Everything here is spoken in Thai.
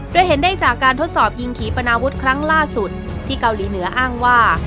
โดยเห็นได้จากการทดสอบยิงขี่ปนาวุฒิครั้งล่าสุดที่เกาหลีเหนืออ้างว่า